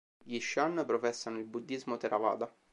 Gli shan professano il Buddhismo Theravada.